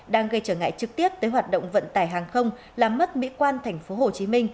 đang gây trở ngại trực tiếp tới hoạt động vận tải hàng không làm mất mỹ quan tp hcm